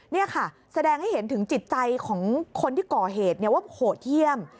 นี่ค่ะแสดงให้เห็นถึงจิตใจของคนที่ก่อเหตุว่าโหดเยี่ยม